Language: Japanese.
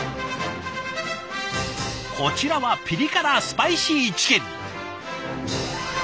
こちらはピリ辛スパイシーチキン。